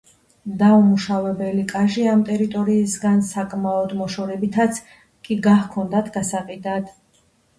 დაუმუშავებელი კაჟი ამ ტერიტორიისგან საკმაოდ მოშორებითაც კი გაჰქონდათ გასაყიდად.